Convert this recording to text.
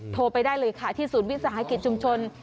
โทรไปได้เลยค่ะที่ศูนย์วิสาหกิจชุมชน